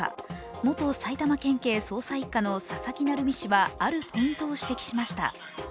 元埼玉県警捜査一課の佐々木成三氏はあるポイントを指摘しました。